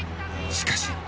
しかし。